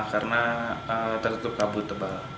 karena tertutup kabut